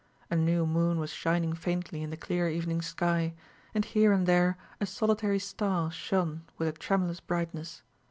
A new moon was shining faintly in the clear evening sky; and here and there a solitary star shone with a tremulous brightness.